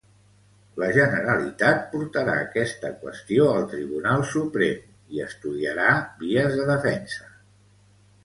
La Generalitat portarà aquesta qüestió al Tribunal Suprem i estudiarà vies de defensa.